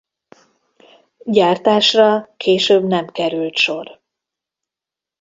Gyártásra később nem került sor.